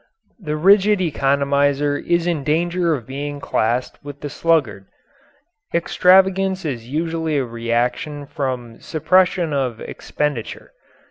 The rigid economizer is in danger of being classed with the sluggard. Extravagance is usually a reaction from suppression of expenditure.